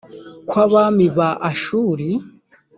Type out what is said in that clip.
kw abami ba ashuri